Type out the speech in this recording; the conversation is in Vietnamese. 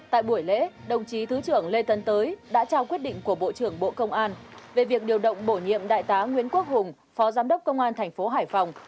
tại buổi lễ đồng chí thứ trưởng lê tấn tới đã trao quyết định của bộ trưởng bộ công an về việc điều động bổ nhiệm đại tá nguyễn quốc hùng phó giám đốc công an thành phố hải phòng